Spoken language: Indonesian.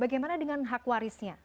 bagaimana dengan hak warisnya